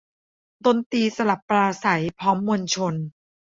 ดนตรีสลับปราศรัยพร้อมมวลชน